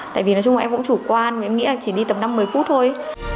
tại vì nói chung là em cũng chủ quan em nghĩ là chỉ đi tầm năm mươi phút thôi